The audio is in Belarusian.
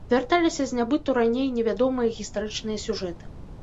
Вярталіся з нябыту раней не вядомыя гістарычныя сюжэты.